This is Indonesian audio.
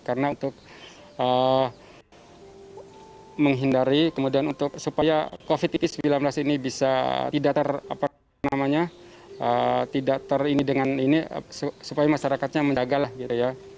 karena untuk menghindari kemudian untuk supaya covid sembilan belas ini bisa tidak ter apa namanya tidak ter ini dengan ini supaya masyarakatnya menjagalah gitu ya